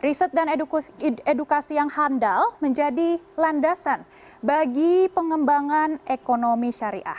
riset dan edukasi yang handal menjadi landasan bagi pengembangan ekonomi syariah